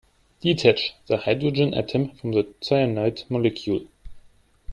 Detach the hydrogen atom from the cyanide molecule.